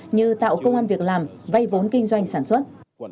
như tạo công an việc làm vay vốn kinh doanh sản xuất